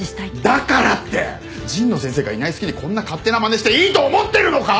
だからって神野先生がいない隙にこんな勝手なまねしていいと思ってるのか！？